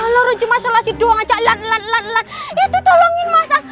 loro cuma selesai doang aja lan lan lan lan itu tolongin mas an